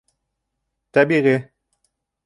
... тәбиғи